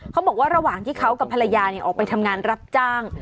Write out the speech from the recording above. เขาบอกว่าระหว่างที่เขากับภรรยาออกไปทำงานรับจ้าง